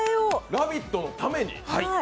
「ラヴィット！」のために！？